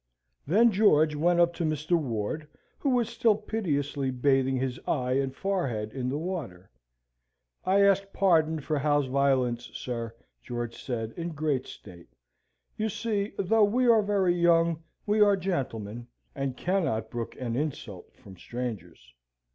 Then George went up to Mr. Ward, who was still piteously bathing his eye and forehead in the water. "I ask pardon for Hal's violence, sir," George said, in great state. "You see, though we are very young, we are gentlemen, and cannot brook an insult from strangers.